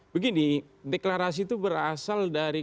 begini deklarasi itu berasal dari